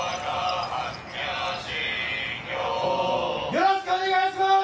よろしくお願いします！